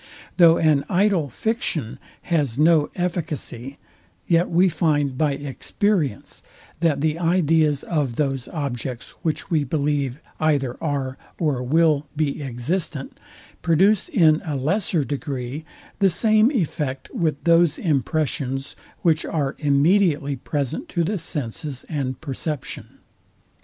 Though an idle fiction has no efficacy, yet we find by experience, that the ideas of those objects, which we believe either are or will be existent, produce in a lesser degree the same effect with those impressions, which are immediately present to the senses and perception.